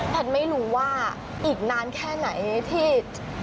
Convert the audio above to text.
ไม่รู้ว่าอีกนานแค่ไหนที่